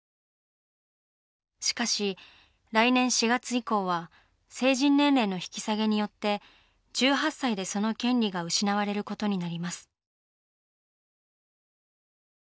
しかし来年４月以降は成人年齢の引き下げによって１８歳でその権利が失われることになります。